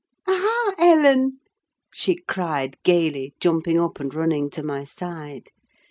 "Aha, Ellen!" she cried, gaily, jumping up and running to my side.